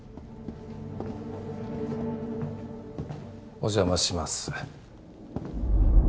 お邪魔します